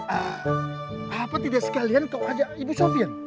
ah apa tidak sekalian kau ajak ibu sofian